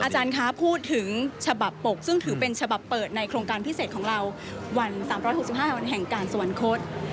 อาจารย์คะพูดถึงฉบับปกซึ่งถือเป็นฉบับเปิดในโครงการพิเศษของเราวัน๓๖๕วันแห่งการสวรรคต